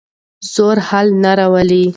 زور حل نه راولي.